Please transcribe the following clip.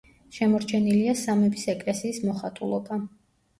შემორჩენილია სამების ეკლესიის მოხატულობა.